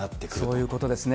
そういうことですね。